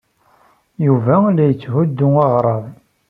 Yuba la yetthuddu aɣrab.